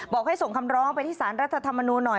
ให้ส่งคำร้องไปที่สารรัฐธรรมนูลหน่อย